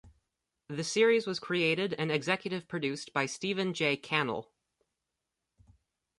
The series was created and executive produced by Stephen J. Cannell.